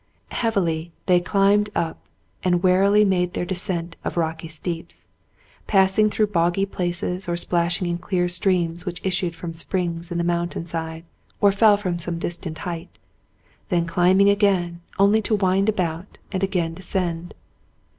Heavily they climbed up, and warily made their descent of rocky steeps, passing through boggy places or splashing in clear streams which issued from springs in the mountain side or fell from some distant height, then climbing again only to wind about and again descend.